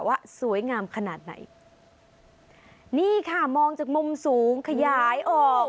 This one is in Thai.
ว่าสวยงามขนาดไหนนี่ค่ะมองจากมุมสูงขยายออก